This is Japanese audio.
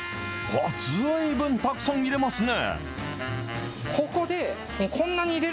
ずいぶんたくさん入れますね。